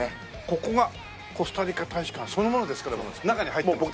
ここがコスタリカ大使館そのものですから中に入ってます。